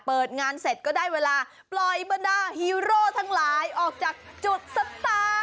เปิดงานเสร็จก็ได้เวลาปล่อยบรรดาฮีโร่ทั้งหลายออกจากจุดสตาร์